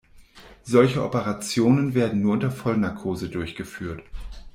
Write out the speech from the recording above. Solche Operationen werden nur unter Vollnarkose durchgeführt.